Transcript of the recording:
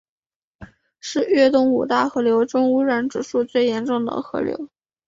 是粤东五大河流中污染指数最严重的河流。